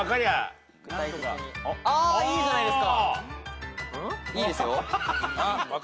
はい。